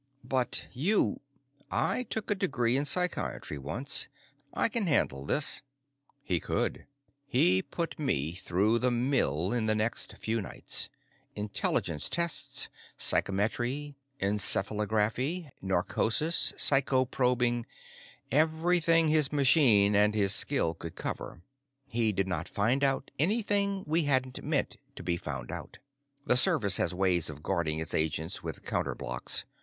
"But you " "I took a degree in psychiatry once. I can handle this." He could. He put me through the mill in the next few nights intelligence tests, psychometry, encephalography, narcosis, psycho probing, everything his machines and his skill could cover. He did not find out anything we hadn't meant to be found out. The Service had ways of guarding its agents with counter blocks.